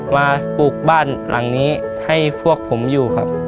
ปลูกบ้านหลังนี้ให้พวกผมอยู่ครับ